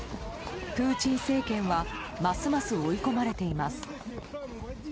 プーチン政権はますます追い込まれています。